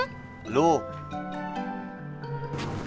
yang lebih penting